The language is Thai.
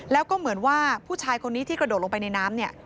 แล้วก็เหมือนว่าผู้ชายคนนี้ที่กระโดดลงไปในน้ำเนี่ย